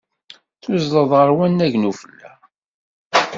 Tuzzled ɣer wannag n ufella.